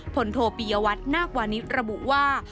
ผลโทพิยวัฒน์นากวานิรบุว่า